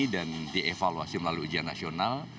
dan dievaluasi melalui ujian nasional